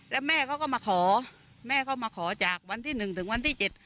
แล้วแม่เขาก็มาขอแม่เขามาขอจากวันที่หนึ่งถึงวันที่เจ็ด